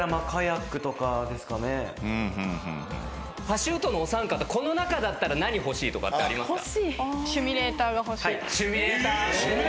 パシュートのお三方この中だったら何欲しいとかってありますか？